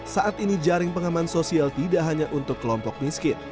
saat ini jaring pengaman sosial tidak hanya untuk kelompok miskin